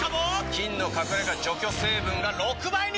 菌の隠れ家除去成分が６倍に！